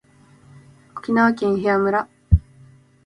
沖縄県伊平屋村